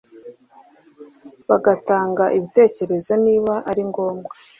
bagatanga ibitekerezo niba ari ngombwa